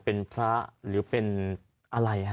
เป็นพระหรือเป็นอะไรฮะ